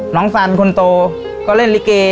น้องสันคนโตก็เล่นริเกย์